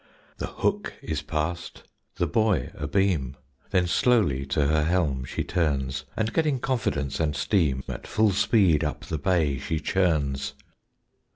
The Hook is past, the buoy abeam; Then slowly to her helm she turns, And getting confidence and steam At full speed up the bay she churns.